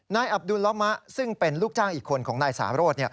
อับดุลละมะซึ่งเป็นลูกจ้างอีกคนของนายสาโรธ